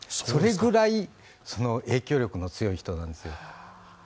それぐらい影響力の強い人なんですよ。